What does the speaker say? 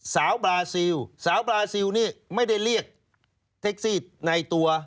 บราซิลสาวบราซิลนี่ไม่ได้เรียกแท็กซี่ในตัว